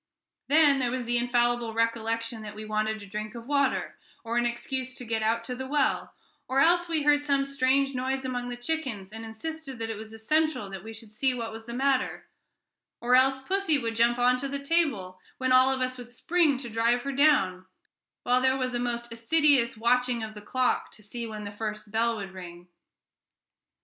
Then there was the infallible recollection that we wanted a drink of water, as an excuse to get out to the well; or else we heard some strange noise among the chickens, and insisted that it was essential that we should see what was the matter; or else pussy would jump on to the table, when all of us would spring to drive her down; while there was a most assiduous watching of the clock to see when the first bell would ring.